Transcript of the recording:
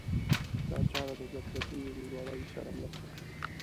دا چاره د ظرفیتونو له لوړاوي سره مرسته کوي.